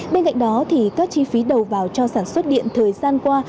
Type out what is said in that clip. bên cạnh đó thì các chi phí đầu vào cho sản xuất điện thời gian qua